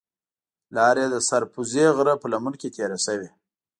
لار یې د سر پوزې غره په لمن کې تېره شوې.